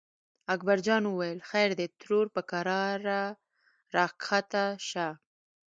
اکبر جان وویل: خیر دی ترور په کراره راکښته شه.